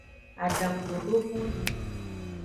Adangudodo vondi.